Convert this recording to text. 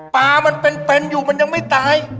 มันเป็นอยู่มันยังไม่ตาย